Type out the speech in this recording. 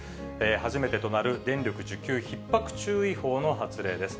初めてとなる電力需給ひっ迫注意報の発令です。